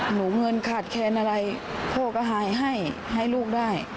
หนูเงินขาดแคนอะไรพ่อก็ให้ให้ลูกได้